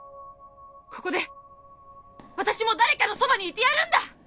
ここで私も誰かのそばにいてやるんだ！